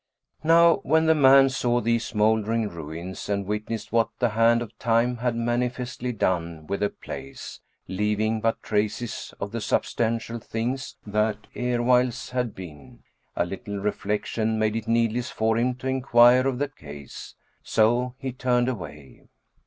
Now when the man saw these mouldering ruins and witnessed what the hand of time had manifestly done with the place, leaving but traces of the substantial things that erewhiles had been, a little reflection made it needless for him to enquire of the case; so he turned away.